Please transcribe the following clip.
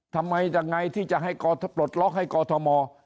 ทำไมยังไงที่จะให้ปลดล็อกให้กอทม